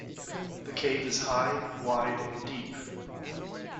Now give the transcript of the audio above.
The cave is high, wide, and deep.